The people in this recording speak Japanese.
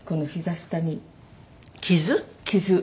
傷？傷。